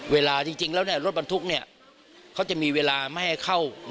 เวลาจริงแล้วรถบรรทุกเขาจะมีเวลาไม่ให้เข้า